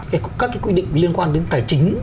các cái quy định liên quan đến tài chính